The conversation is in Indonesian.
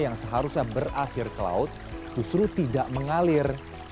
yang seharusnya berakhir ke laut justru tidak mengalir